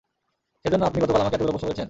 সেজন্য আপনি গতকাল আমাকে এতগুলো প্রশ্ন করেছেন?